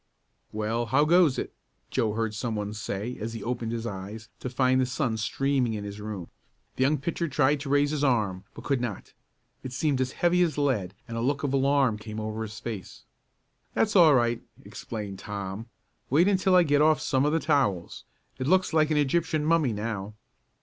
"Well, how goes it?" Joe heard some one say, as he opened his eyes to find the sun streaming in his room. The young pitcher tried to raise his arm but could not. It seemed as heavy as lead and a look of alarm came over his face. "That's all right," explained Tom. "Wait until I get off some of the towels. It looks like an Egyptian mummy now."